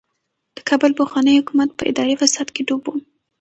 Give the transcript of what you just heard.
د کابل پخوانی حکومت په اداري فساد کې ډوب و.